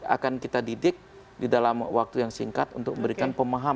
akan kita didik di dalam waktu yang singkat untuk memberikan pemahaman